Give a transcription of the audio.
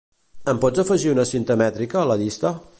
Em pots afegir una cinta mètrica a la llista?